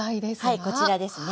はいこちらですね。